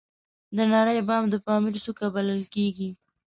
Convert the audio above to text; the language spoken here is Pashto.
د نړۍ بام د پامیر څوکه بلل کیږي